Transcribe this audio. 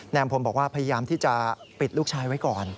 อำพลบอกว่าพยายามที่จะปิดลูกชายไว้ก่อน